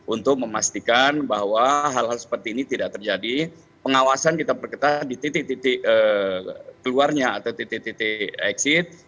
untuk memastikan bahwa hal hal seperti ini tidak terjadi pengawasan kita perketat di titik titik keluarnya atau titik titik exit